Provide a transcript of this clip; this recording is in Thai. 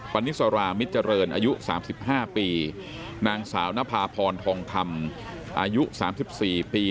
ปันนิสรามิจรรย์อายุสามสิบห้าปีนางสาวนภาพรทองคำอายุสามสิบสี่ปี